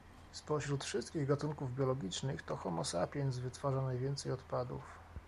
Spośród wszystkich gatunków biologicznych to homo sapiens wytwarza najwięcej odpadów